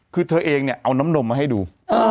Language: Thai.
คือเธอเองเนี่ยเอาน้ำนมมาให้ดู